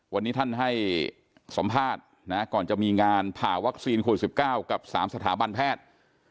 วันนี้ท่านให้สัมภาษณ์นะก่อนจะมีงานผ่าวัคซีนโควิด๑๙กับ๓สถาบันแพทย์